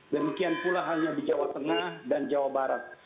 demikian pula halnya di jawa tengah dan jawa barat